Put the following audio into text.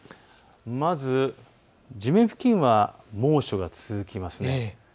まず地面付近は猛暑が続きます。